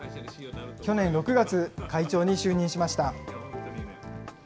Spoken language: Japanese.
去年６月、会長に就任しました。